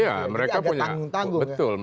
iya mereka punya agak tanggung tanggung ya